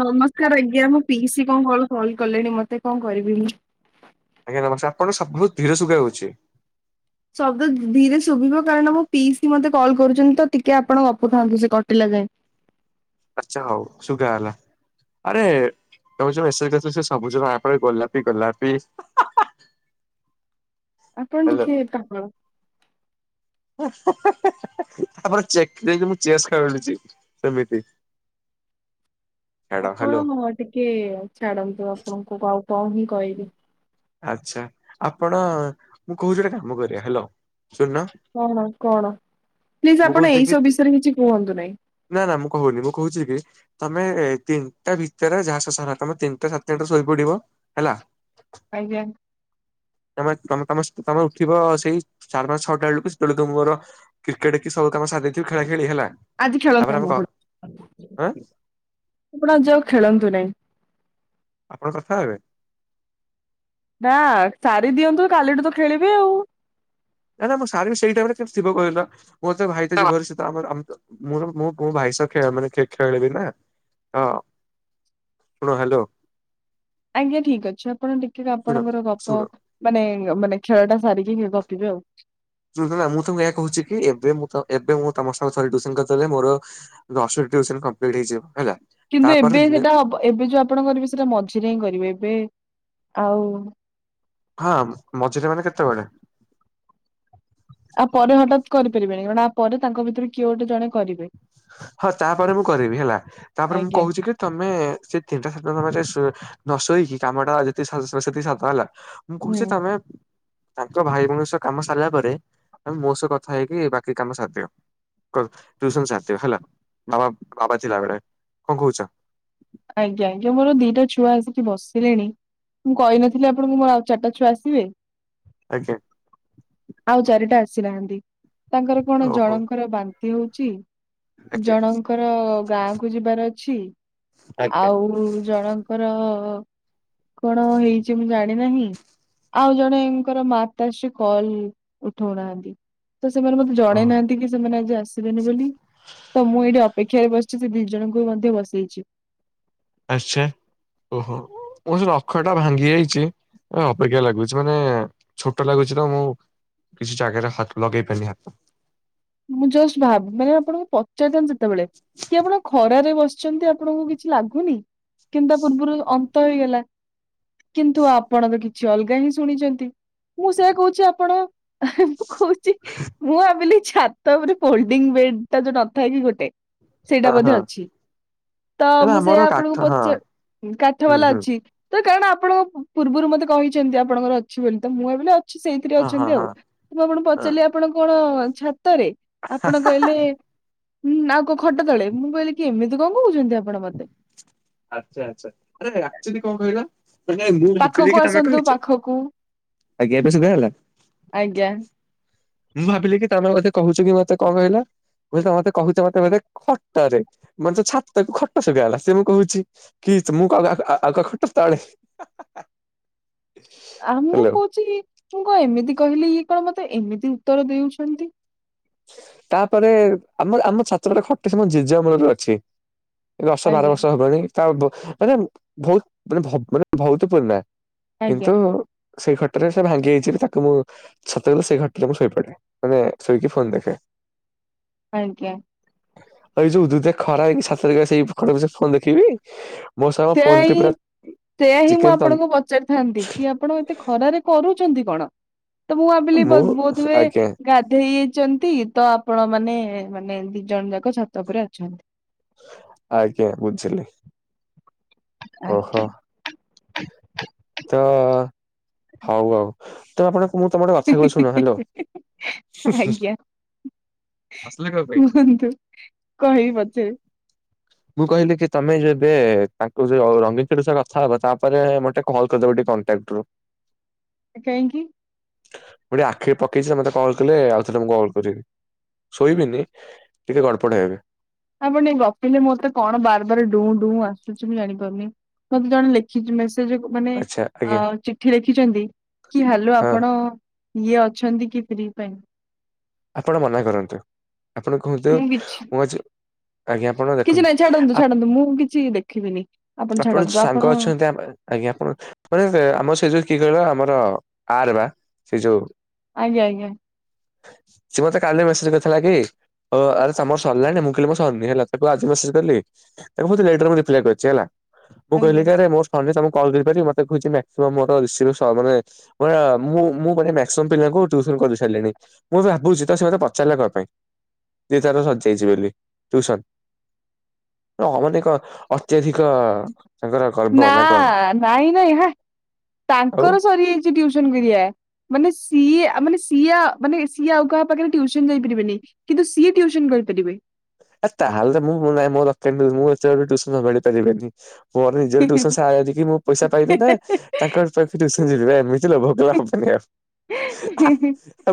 ନମସ୍କାର ଆଜ୍ଞା। ମୋ ପିଇସି କଣ କଣ କଲ କଲେଣି ମତେ କଣ କରିବି ମୁଁ? ଆଜ୍ଞା ନମସ୍କାର। ଆପଣ ଶବ୍ଦ ଧୀର ସୁଗା ଯାଉଛି। ଶବ୍ଦ ଧୀ-ଧୀରେ ଶୁଭିବ କାରଣ ମୋ ପିଇସି ମତେ କଲ୍ କରୁଛନ୍ତି ତ, ଟିକେ ଆପଣ ଗପୁଥାନ୍ତୁ ସେ କଟିଲା ଯାଏଁ। ଆଚ୍ଛା ହଉ ଶୁଗା ଗଲା। ଆରେ ତମେ ଯୋଉ ମେସେଜ କରିଥିଲ ସେ ସବୁଜ ଆପରେ ଗୋଲାପି ଗୋଲାପି, ଆ ହା ହା ଆପଣ ହ୍ୟାଲୋ ଟିକେ ପାଗଳ। ହ ଆପଣ ଚେକ ଦେଇକୀ ମୁଁ ଚେସ୍ ଖେଳୁଛି ସେମିତି ଛାଡ ହ୍ୟାଲୋ ଆପଣ ଟିକେ ଛାଡନ୍ତୁ ଆପଣଙ୍କୁ ଆଉ କଣ ହିଁ କହିବି ଆଚ୍ଛା ଆପଣ ମୁଁ କହୁଛି ଗୋଟେ କାମ କରିବା। ହ୍ୟାଲୋ ଶୁନୁନ କଣ କଣ ପ୍ଲିଜ ଆପଣ କହୁଛି କି ଏଇସବୁ ବିଷୟରେ କିଛି କୁହନ୍ତୁ ନାହିଁ। ନା ନା ମୁଁ କହୁନି ମୁଁ କହୁଛି କି? ତମେ ତିନିଟା ଭିତରେ ଯାହାସ ସାରା ତମେ ତିନିଟା ସାଢେ ତିନିଟା ଶୋଇପଡିବ ହେଲା। ଆଜ୍ଞା। ତମେ ତମେ ତମେ ଉଠିବ ସେଇ ସାଢେ ପାଞ୍ଚ ଛଅଟା ବେଳକୁ ସେତେବେଳକୁ ମୁଁ ମୋର କ୍ରିକେଟ୍ କି ସବୁ କାମ ସରିଦେଇଥିବି ଖେଳା ଖେଳି ହେଲା। ଆଜି ତାପରେ ଖେଳନାହିଁ ମୁଁ ଆମେ ଆଁ ଆପଣ। ଆପଣ ଆଜି ଆଉ ଖେଳନ୍ତୁ ନାହିଁ। ଆପଣ କଥା ହେବେ ନା ସାରି ଦିଅନ୍ତୁ କାଲିଠୁ ତ ଖେଳିବି ଆଉ। ନାଇଁ ମୁଁ ସାରି ସେଇ ଟାଇମୀ ରେ କିଏ ଥିବ କହିଲା? ମୋ ତ ଭାଇ ତ ଯିବ ହେରୀ ସେ ତ ଆମର ଆମ ତ ମୁଁ ମୁଁ ମୋ ଭାଇ ସହ ଖେ ମାନେ ଖେଳ ଖେଳିବି ନା ହଁ। ଶୁଣ ହ୍ୟାଲୋ। ଆଜ୍ଞା ଠିକ୍ ଅଛି ଆପଣ ଟିକେ ଶୁଣ ଆପଣଙ୍କର ଗପ ଶୁଣ ମାନେ ମାନେ ଖେଳ ଟା ସାରିକି ଗପିବେ ଆଉ। ଶୁଣୁଚ ନା ମୁଁ ତମକୁ ଏଇଆ କହୁଛି କି ଏବେ ମୁଁତ ଏବେ ମୁଁ ତମ ସାଙ୍ଗେ [unintelligible] ଦେଲେ ମୋର ଦଶଟି ଟିୟୁସନ୍ କମ୍ପ୍ଲିଟ୍ ହେଇଯିବ ହେଲା। କିନ୍ତୁ ତାପରେ ଏବେ ଦିନେ ସେଟା ଏବେ ଯୋଉ ଆପଣ କରିବେ ସେଟା ମଝିରେ ହିଁ କରିବେ ଏବେ ଆଉ ହଁ ମଝିରେ ମାନେ କେତେବେଳେ? ଆ ପରେ ହଠାତ୍ କରିପାରିବେନି କାରଣ ଆ ପରେ ତାଙ୍କ ଭିତରୁ କିଏ ଗୋଟେ ଜଣେ କରିବେ ହଁ ତାପରେ ମୁଁ କରିବି ହେଲା ତାପରେ ମୁଁ ଆଜ୍ଞା କହୁଛି କି ତମେ ସେ ତିନିଟା [unintelligible] ସାତ ତମେ ନ ଶୋଇକି କାମ ଟା ଯେତିକି ସେତିକି ସାତ ହେଲା ମୁଁ ହୁଁ। କହୁଛି ତମେ ତାଙ୍କ ଭାଇ ଭଉଣୀଙ୍କ ସହ କାମ ସାରିଲା ପରେ ମୋ ସହ କଥା ହେଇକି ବାକି କାମ ସାରିଦିଅ। ଟ୍ୟୁସନ ସା ହେଲା ବାବା ବାବା [unintelligible] କଣ କହୁଛ ଆଜ୍ଞା ଆଜ୍ଞା ମୋର ଦିଟା ଛୁଆ ଆସିକି ବସିଲେଣି ମୁଁ କହିନଥିଲି ଆପଣଙ୍କୁ ମୋର ଆଉ ଚାରିଟା ଛୁଆ ଆସିବେ ଆଜ୍ଞା। ଆଉ ଚାରିଟା ଆସିନାହାନ୍ତି। ତାଙ୍କର କଣ ଓହୋ ଜଳଙ୍କର ବାନ୍ତି ହଉଛି ଆଜ୍ଞା। ଜଣଙ୍କର ଗାଁ କୁ ଯିବାର ଅଛି ଆଉ ଜଣଙ୍କର କଣ ହେଇଛି ମୁଁ ଜାଣି ନାହିଁ। ଆଉ ଜଣେଙ୍କର ମାତା ଶ୍ରୀ କଲ ଉଠଉନାହାନ୍ତି ତ ସେମାନେ ମତେ ଜଣେଇ ଓହ ନାହାନ୍ତି ଏତିିକି ସେମାନେ ଆଜି ଆସିବେନି ବୋଲି ତ ମୁଁ ଏଇଠି ଅପେକ୍ଷାରେ ବସିଛି ସେ ଦି ଜଣଙ୍କୁ ମଧ୍ୟ ବସେଇଛି। ଆଚ୍ଛା ଓହୋ ମୁଁ ସେ ରଖ ଟା ଭାଙ୍ଗି ଯାଇଛି। ଏ ଅପେକ୍ଷା ଲାଗୁଛି ମାନେ ଛୋଟ ଲାଗୁଛି ନା ମୁଁ କିଛି ଜାଗାରେ ହତ ଲଗେଇ ପାରିନି ହାତ। ମୁଁ ଜଷ୍ଟ ଭାବ ମାନେ ପଚାରି ଥାନ୍ତି ସେତେବେଳେ ହଁ କି ଆପଣ ଖରାରେ ବସିଛନ୍ତି ଆପଣଙ୍କୁ କିଛି ଲାଗୁନି? କିନ୍ତୁ ପୂର୍ବରୁ ଅନ୍ତ ହେଇଗଲା। କିନ୍ତୁ ଆପଣ ତ କିଛି ଅଲଗା ହିଁ ଶୁଣିଛନ୍ତି ମୁଁ ସେୟଆ କହୁଛି ଆପଣ ମୁଁ କହୁଛି ମୁଁ ଭାବିଲି ଛାତ ଉପରେ ଫୋଲ୍ଡିଂ ବେଡ ଟା ଯୋଉ ନଥାଏ କି ଗୋଟେ ସେଇଟା ହଁ ମଧ୍ୟ ହଁ ଅଛି ତ ନା ମୁଁ ସେଇ ଆମର କାଠ ଆପଣଙ୍କୁ ହଁ ପଚ କାଠ ହୁଁ ବାଲା ହୁଁ ଅଛି। ତ କାରଣ ଆପଣ ପୂର୍ବରୁ ମତେ କହିଛନ୍ତି ଆପଣଙ୍କର ଅଛି ବୋଲି ତ ମୁଁ ଭାବିଲି ଆ ଛି ସେଇଥିରେ ହଁ ହଁ ଅଛନ୍ତି ଆଉ ହଁ ତ ଆପଣ ହଁ ପଚାରିଲେ ଆପଣ କଣ ଛାତରେ? ଆପଣ କହିଲେ ଉଁ ଆଉ କ ଖଟ ତଳେ ମୁଁ କହିଲି କି ଏମିତି କଣ କହୁଛନ୍ତି ଆପଣ ମତେ। ଆଚ୍ଛା ଆଚ୍ଛା ଆରେ ଆକ୍ଚଲି କଣ କହିଲ? ଆଜ୍ଞା ପାଖକୁ ଆସନ୍ତୁ ପାଖକୁ ଏବେ ସୁବା ହେଲା। ଆଜ୍ଞା। ମୁଁ ଭାବିଲି କି ତମେ ବୋଧେ କହୁଛ କି ମତେ କଣ କହିଲ? ବୁଝିଲ ମତେ କହୁଛ ମତେ ବୋଧେ ଖଟ ରେ ମତେ ଛାତକୁ ଖଟ ଶୁବାଗଲା ସେଏ ମୁଁ କହୁଛି [unintelligible] ଆଉ ମୁଁ ହ୍ୟାଲୋ କହୁଛି ମୁୁ କଣ ଏମିତି କହିଲି ଇଏ କଣ ମତେ ଏମିତି ଉତ୍ତର ଦେଉଛନ୍ତି। ତାପରେ ଆମ ଆମ ଛାତ୍ରରେ ଖଟ ସବୁ ଜେଜେ ଅମଳରୁ ଅଛି। ଦଶ ବାର ଆଜ୍ଞା ବର୍ଷ ହବନ ତା ମାନେ ବହୁତ ମାନେ ମାନେ ବହୁତ ପୁରୁଣା। ଆଜ୍ଞା। କିନ୍ତୁ ସେଇ ଘଟରେ ସେ ଭାଙ୍ଗି ହେଇଛି ତାକୁ ମୁଁ ଛାତଉପରେ ସେଇ ଘଟରେ ମୁଁ ଶୋଇପଡେ ମାନେ ଶୋଇକି ଫୋନ ଦେ ଖେ ଆଜ୍ଞା। ଏଇ ଯୋଉ ଉଦୁ ଉଦିଆ ଖରା ହେଇକି ଛାତ ସେଇ ଫୋନ ଦେଖିବି। ମୋ ସହ ମୋ ସେୟା ଫୋନ ଟି ହିଁ ପୁରା ସେୟା ହିଁ ମୁଁ ଚିକେନ ତନ୍ତ ଆପଣଙ୍କୁ ପଚାରିଥାନ୍ତି କି ଆପଣ ଏତେ ଖ ଖରାରେ କରୁଛନ୍ତି କଣ ତ ମୁଁ ଭାବିଲି ମୁଁ ବୋଧ ହୁଏ ଆଜ୍ଞା ଗାଧେଇ ଚନ୍ତି ତ ଆପଣ ମାନେ ମାନେ ଦି ଜଣ ଯାକ ଛାତ ଉପରେ ଅଛନ୍ତି। ଆଜ୍ଞା ବୁଝିଲି। ଆଜ୍ଞା ଓହୋ ତ ହଉ ଆଉ। ତମ ଆପଣ ମୁଁ ତମକୁ ଗୋଟେ କଥା କହୁଛି ଶୁଣ ହାଲୋ ଆଜ୍ଞା କୁହନ୍ତୁ କହିବି ପଛେ। ମୁଁ କହିଲି କି ତମେ ଯେବେ ତା ରଙ୍ଗୀଚର କଥା ହବା ତାପରେ ମତେ ଟିକେ କଲ୍ କରିଦବା ଟେ କଣ୍ଟାକ୍ଟ ରୁ। କାହିଁକି? ମୁଁ ଟିକେ ଆଖିରେ ପକେଇଛି ଯେ ମତେ କଲ୍ କଲେ ଆଉ ଥରେ ମୁଁ କଲ୍ କରିବି। ଶୋଇବିନି ଟିକେ ଗଡ଼ପଡ ହେବି। ଆପଣ ଟିକେ ଗପିଲେ ମତେ କଣ ବାର ବାର ଡୁଁ ଡୁଁ ଆସୁଛି ମୁଁ ଜାଣିପାରୁନି। ମତେ ଜଣେ ଲେଖିଛିି ମେସ୍ ସେ ଯୋଉ ମାନେ ଆଚ୍ଛା ଆଜ୍ଞା ଅ ଚିଠି ଲେଖିଛନ୍ତି କି ହାଲୋ ହଁ ଆପଣ ଇଏ ଅଛନ୍ତି କି ଫ୍ରି ପାଇଁ। ଆପଣ ମନା କରନ୍ତୁ ଆପଣ କୁହନ୍ତୁ ମୁଁ ଆଜି ଆଜ୍ଞା ଆପଣ କିଛି ନାହିଁ ଦେଖନ୍ତୁ ଛାଡନ୍ତୁ ଛାଡନ୍ତୁ ମୁଁ କିଛି ଦେଖିବିନି ଆପଣ ଛାଡନ୍ତୁ ସାଙ୍ଗ ଅଛନ୍ତି ଆଜ୍ଞା ଆପଣ ଆମ ସେଇ ଯୋଉ କି କହିଲ ଆମର ଆର ବା ସେଇ ଯୋଉ ଆଜ୍ଞା ଆଜ୍ଞା। ସେ ମତେ କାଲି ମେସେଜ କରିଥିଲା କି ଓ ଆରେ ତମର ସରିଲାଣି ମୁଁ କହିଲି ମୋର ସରନି ହେଲା ତାକୁ ଆଜି ମେସେଜ କଲି। ତାପରେ ମତେ ଲେଟର ମୁ୍ କରିଛି ହେଲା ମୁଁ କହିଲି କି ଆଜ୍ଞା। ଆରେ ମୋ [unintelligible] ମୁଁ ମୁଁ [unintelligible] ପିଲାଙ୍କୁ ଟିଉସନ କରି ସାରିଲିଣି। ମୁଁ ଭାବୁଛି ତ ସେ ମତେ ପଚାରିଲା କଣ ପାଇଁ ଦି ତାର ସରିଜାଇଛି ବୋଲି ଟିଉସନ। ହଁ ମାତେ କ ଅତ୍ୟଧିକ ତାଙ୍କର ଗର୍ବ ନା କଣ? ନାଇଁ ନାଇଁ ହେ ଆଉ ତାଙ୍କର ସରିଯାଇଛି ଟିଉସନକୁରିିଆ। ମାନେ ସିଏ ମାନେ ସିଏ ମାନେ ସିଏ ଆଉ କାହା ପାଖରେ ଟିଉସନ ଯାଇପାରିବେନି। କିନ୍ତୁ ସିଏ ଟିଉସନ କରିପାରିବେ। ଆ ତାହେଲେ ତ ମୁଁଁ [unintelligible] ମିଳିପାରିବନି। ମୋର ନିଜର ଟ୍ୟୁସନ ସାରିକି ମୁଁ ପଇସା ପାଇବି ନା। ତାଙ୍କର ପାଖେ ଟୁସନ ଯିବା ଏମିତି ଲୋଭ କଲେ ହବନି ଆଉ।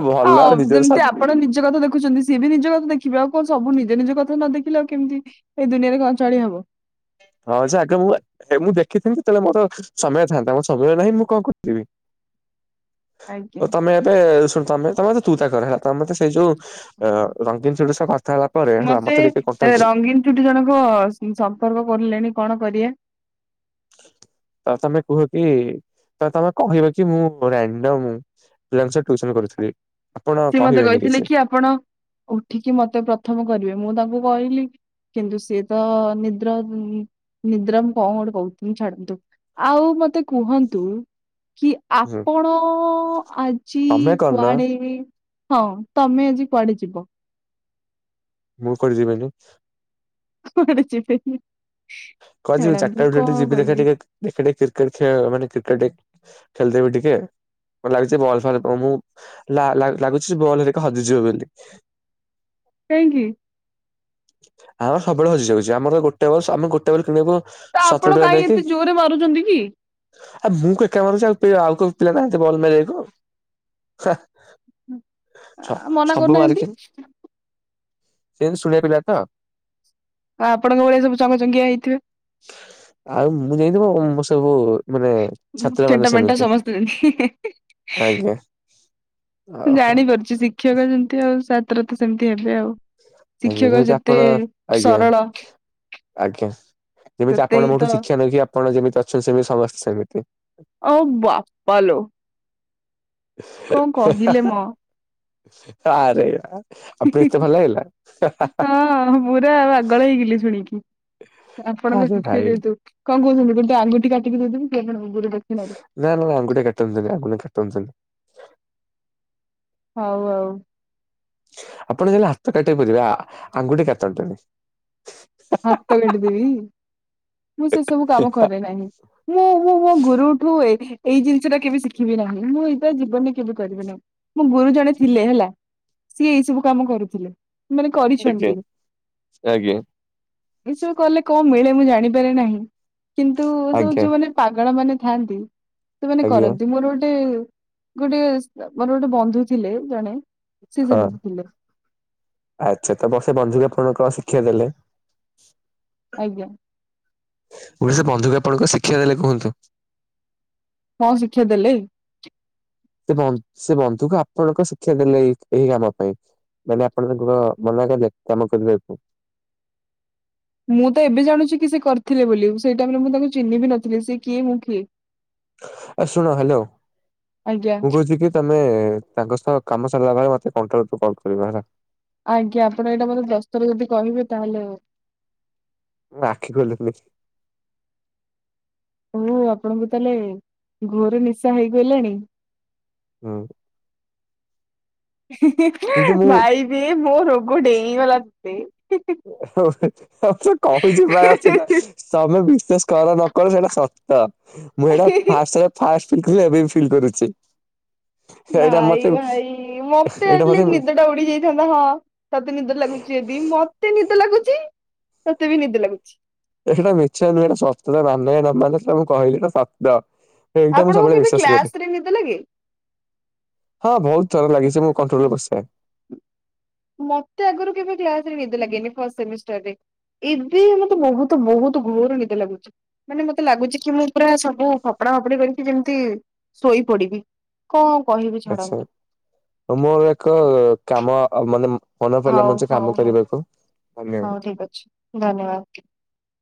ଭଲ ଆ ଆଉ ନିଜର ଯେମିତି ସାଥି ଆପଣ ନିଜ କଥା ଦେଖୁଛନ୍ତି। ସିଏ ବି ନିଜ କଥା ଦେଖିବେ ଆଉ କଣ ସବୁ ନିଜ ନିଜ କଥା ନ ଦେଖିଲେ ଆଉ କେମିତି ଏଇ ଦୁନିଆରେ ଚଳି ହବ। ହଁ ଯେ ଆଗେ ମୁଁ ଏ ମୁଁ ଦେଖିଥିନୀ ଯେତେବେଳେ ମୋର ସମୟ ଥାନ୍ତା ମୋ ସମୟ ନାହିଁ ମୁଁ କଣ କରିବି। ଆଜ୍ଞା। ଓ ତମେ ଏବେ ଶୁଣ ତମେ ତମେ ତ ତୁ ତା କର ହେଲା। ତ ମତେ ସେଇ ଯୋଉ ଅ ରଙ୍ଗୀନ ସିଳ ସହ କଥା ହେଲା ପରେ ହେଲା ମତେ ଟିକେ କଣ୍ଟ ଛୁଟି ଜଣଙ୍କ ସମ୍ପର୍କ କରିଲେଣି କଣ କରିବା? ତ ତମେ କୁହ କି ତ ତମେ କହିବ କି ମୁଁ ରାଣ୍ଡମ ପିଲାଙ୍କୁ ସବୁ ଟିଉସନ୍ କରୁଥିଲି। ଆପଣ ସିଏ ମତେ କହିବେନି କହିଥିଲେ କିଛି କି ଆପଣ ଉଠିକି ମତେ ପ୍ରଥମ କରିବେ। ମୁଁ ତାଙ୍କୁ କହିଲି କିନ୍ତୁ ସିଏ ତ ନିଦ୍ରା ନିଦ୍ରା ମୁ କଣ ଗୋଟେ କହୁଥିଲି ଛାଡନ୍ତୁ। ଆଉ ମତେ କୁହନ୍ତୁ କି ହୁଁ। ଆପଣ ଆଜି ତମେ କରୁନ କି ହଁ ତମେ ଆଜି କୁଆଡେ ଯିବ? ମୁଁ କୁଆଡେ ଜିବିନି। କୁଆଡେ ଯିବିନି। କୁଆଡେ ଯିବି ଚାରିଟା ବେଳେ ଯିବି ଦେଖିଆ କହିବି ଟିକେ ଦେଖ ଟେ କ୍ରିକେଟ ଖେଳ ମାନେ କ୍ରିକେଟ ଖେଳିଦେବି ଟିକେ। ମ ଲାଗୁଛି ବଲ ଫଲ ମୁ ଲା ଲା ଲାଗୁଛି ଯେ ବଲ ଗୁଡ଼ିକ ହଜିଯିବ ବୋଲି। କାହିଁକି? ଆମର ସବୁବେଳେ ହଜିଯାଉଛି। ଆମର ଗୋଟେ ବର୍ଷ ଆମେ ଗୋ ଟେ ବଲ୍ କିଣିବୁ ତ ସତୁର ଆପଣ ଟଙ୍କା କାହିଁ ଦେଇକି ଏତେ ଜୋରରେ ମାରୁଛନ୍ତି କି ଆଉ ମୁଁ କ ଏକା ମାରୁଛି ଆଉ କୋଉ ପିଲା ନାହାନ୍ତି ବଲ ମାରିବାକୁ। ସ ମନା ସବୁ କରୁନାହାନ୍ତି ମାରିକେନ୍ ସେ ଏମିତି ଶୁଣିବା ପିଲାତ। ଆ ଆପଣଙ୍କ ଭଳିଆ ସବୁ ଚଙ୍ଗଚଙ୍ଗିଆ ହେଇଥିବେ। ଆଉ ମୁଁ ଯାଇଥିବ ମୁ ସବୁ ମାନେ ଛାତ୍ର ମାନେ ଚେଣ୍ଟା ମେଣ୍ଟା ସେମିତି ସମସ୍ତେ ହି ହିଁ। ଆଜ୍ଞା। ମୁଁ ଓହୋ ଜାଣିପାରୁଛି ଶିକ୍ଷକ ଯେମତି ଆଉ ଛାତ୍ର ତ ସେମିତି ହେବେ ଆଉ। ଆଜ୍ଞା ଶିକ୍ଷକ ଯେମିତି ଯେତେ ଆପଣ ଆଜ୍ଞା ସରଳ ଆଜ୍ଞା ଯେମିତି ସେତେ ଆପଣ ହିଁ ମୋଠୁ ତ ଶିକ୍ଷା ନେଇକି ଆପଣ ଯେମିତି ଅଛନ୍ତି ସେମିତି ସମସ୍ତେ ସେମିତି। ଓ ବାପା ଲୋ। କଣ କହିଲେ ମ? ଆରେ ଆ। ହଁ ପୁରା ଆଉ ପାଗଳ ହେଇଗଲି ଶୁଣିକି। ଆପଣଙ୍କ ଆରେ ଶିସ୍ୟ ଭାଇ ଯେହେତୁ। କଣ କହୁଛନ୍ତି ଗୋଟେ ଆଙ୍ଗୁଠି କାଟିକି ଦେଇଦେବି କି ଆପଣଙ୍କ ଗୁରୁ ଦେକ୍ଷୀଣାରେ। ନା ନା ଆଙ୍ଗୁଠୀ କାଟନ୍ତୁନୀ ଆଙ୍ଗୁଳି କାଟନ୍ତୁନୀ। ହୋଉ ଆଉ। ଆପଣ ଚାହିଁଲେ ହାତ କାଟି ପରାବେ ଆଙ୍ଗୁଠି କାଟନ୍ତୁନି। ହାତ କାଟିଦେବି ମୁଁ ସେ ସବୁ କାମ କରେ ନାହିଁ। ମୁଁ ମୁଁ ମୋ ଗୁରୁଠୁ ଏଇ ଜିନିଷ ଟା କେବେ ଶିଖିବି ନାହିଁ। ମୁଁ ଏଇଟା ଜୀବନରେ କେବେ କରିବି ନାହିଁ। ମୋ ଗୁରୁ ଜଣେ ଥିଲେ ହେଲା ସିଏ ଏଇ ସବୁ କାମ କରୁଥିଲେ। ମାନେ ଆଜ୍ଞା କରିଛନ୍ତି ଆଜ୍ଞା। ଏସବୁ କଲେ କଣ ମିଳେ ମୁଁ ଜାଣିପାରେ ନାହିଁ। କିନ୍ତୁ ଏ ସବୁ ଆଜ୍ଞା ଯୋଉ ମାନେ ପାଗଳ ମାନେ ଥାଆନ୍ତି ସେମାନେ ଆଜ୍ଞା କରନ୍ତି। ମୋର ଗୋଟେ ଗୋଟେ ମୋର ଗୋଟେ ବନ୍ଧୁ ଥିଲେ ଜଣେ ସିଏ ହଁ ସେମିତି ଥିଲେ। ଆଚ୍ଛା ତ ବ ସେ ବନ୍ଧୂଙ୍କୁ ଆପଣ କଣ ଶିକ୍ଷା ଦେଲେ? ଆଜ୍ଞା। କହିଲି ସେ ବନ୍ଧୁକୁ ଆପଣ କଣ ଶିକ୍ଷା ଦେଲେ କୁହନ୍ତୁ? କଣ ଶିକ୍ଷା ଦେଲେ? ସେ ବନ୍ଧ ସେ ବନ୍ଧୁକୁ ଆପଣ କଣ ଶିକ୍ଷା ଦେଲେ ଏହିଁ ଏହି କାମ ପାଇଁ? ମାନେ ଆପଣ କଣ ମନା କଲେ କାମ କରିବାକୁ? ମୁଁ ତ ଏବେ ଜାଣୁଛି କି ସେ କରିଥିଲେ ବୋଲି ସେଇ ଟାଇମ୍ ରେ ମୁଁ ତାଙ୍କୁ ଚିହ୍ନିବି ନଥିଲି ସେ କିଏ ମୁଁ କିଏ? ଆ ଶୁଣ ହ୍ୟାଲୋ ଆଜ୍ଞା ମୁଁ କହୁଛି କି ତମେ ତାଙ୍କ ସହ କାମ ସାରିଲା ପରେ ମତେ କଣ୍ଟୁ କଲ୍ କରିବ ହେଲା। ଆଜ୍ଞା ଆପଣ ଏଇଟା ମତେ ଦଶସ୍ତର ଯଦି କହିବେ ତାହେଲେ ଆଉ ମୁଁ ଆଖି ଖୋଲିଲି। ଓ ଆପଣଙ୍କୁ ତାହେଲେ ଘୋରେ ନିଶା ହେଇଗଲାଣି। ହୁଁ। କିନ୍ତୁ ମୁଁ ଭାଇ ବେ ମୋ ରୋଗ ଡେଇଗଲା ତତେ। କହୁଛିିବା ଆସନା ତମେ [unintelligible] କର ନକ ସେଇଟା ସତ ମୁଁ ଏଇଟା ଫାଷ୍ଟ ଫଷ୍ଟ ଏବେ ବି ଫିଲ୍ କରୁଛି। ଏଇଟା ଭାଇ ମତେ ଭାଇ ମତେ ଆଟଲିଷ୍ଟ ନିଦ ଟା ଉଡି ଯାଇଛି। ତା ହଁ ତତେ ନିଦ ଲାଗୁଛି ଯଦି ମତେ ନିଦ ଲାଗୁଛି ତତେ ବି ନିଦ ଲାଗୁଛି। ଏ ସେଟା ମିଛ ନୁହଁ ଏଟା ସତ ମାନ ନ ମାନ ମୁଁ କହିଲି ଏଟା ସତ। ଏଇଟା ମୁଁ ଆପଣଙ୍କୁ ସବୁବେଳେ କେବେ ବିଶ୍ୱାସ କ୍ଲାସ କରେ। ରେ ନିଦ ଲାଗେ? ହଁ ବହୁତଥର ଲାଗେ ମୋ କଣ୍ଟ୍ରୋଲରେ ବସେ। ମତେ ଆଗରୁ କେବେ କ୍ଲାସରେ ନିଦ ଲାଗେନି ଫ ସେମିଷ୍ଟରରେ। ଏବେ ମତେ ବହୁତ ବହୁତ ଘୋର ନିଦ ଲାଗୁଛି। ମାନେ ମତେ ଲାଗୁଛି କି ମୁଁ ପୁରା ସବୁ ଫପଡା ଫପଡି କରିକି ଯେମିତି ଶୋଇ ପଡିବି। କଣ କହିବି ଆଚ୍ଛା। ଛାଡନ୍ତୁ। ମୋର ଏକ କାମ ମାନେ ମନ ପଡିଲା ହଉ ମେଞ୍ଚେ କାମ କରିବାକୁ ଧନ୍ୟବାଦ। ଠିକ୍ ଅଛି। ଧନ୍ୟବାଦ।